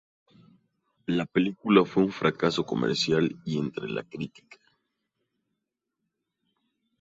La película fue un fracaso comercial y entre la crítica.